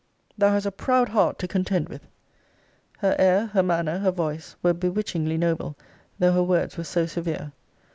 Thou has a proud heart to contend with! Her air, her manner, her voice, were bewitchingly noble, though her words were so severe.